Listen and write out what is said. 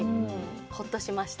ほっとしました。